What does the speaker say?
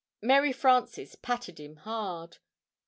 Mary Frances patted him hard.